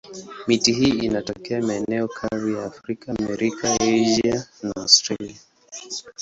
Miti hii inatokea maeneo kavu ya Afrika, Amerika, Asia na Australia.